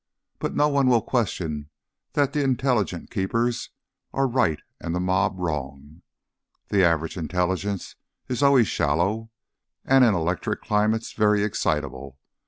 But no one will question that the intelligent keepers are right and the mob wrong. The average intelligence is always shallow, and in electric climates very excitable.